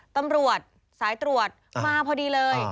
ตำรวจสายตรวจมาพอดีเลย